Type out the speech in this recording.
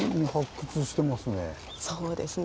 そうですね。